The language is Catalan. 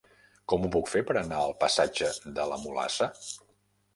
Com ho puc fer per anar al passatge de la Mulassa?